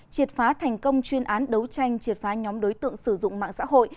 triệt phá thành công chuyên án đấu tranh triệt phá nhóm đối tượng sử dụng mạng xã hội